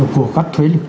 của các thuế lực